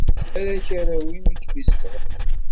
Ittbarak arraw-im i kem-izedɣen.